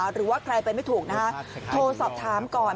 หรือว่าใครไปไม่ถูกนะฮะโทรสอบถามก่อน